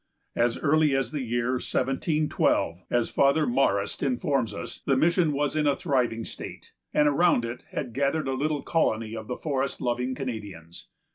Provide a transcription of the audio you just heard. As early as the year 1712, as Father Marest informs us, the mission was in a thriving state, and around it had gathered a little colony of the forest loving Canadians.